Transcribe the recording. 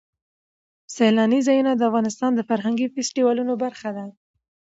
سیلانی ځایونه د افغانستان د فرهنګي فستیوالونو برخه ده.